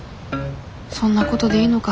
そんなことでいいのか？